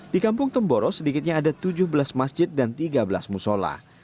di kampung temboro sedikitnya ada tujuh belas masjid dan tiga belas musola